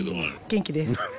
元気です。